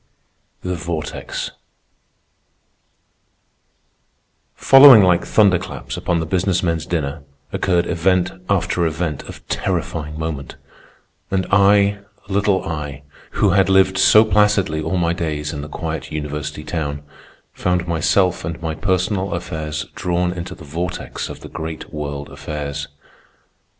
THE VORTEX Following like thunder claps upon the Business Men's dinner, occurred event after event of terrifying moment; and I, little I, who had lived so placidly all my days in the quiet university town, found myself and my personal affairs drawn into the vortex of the great world affairs.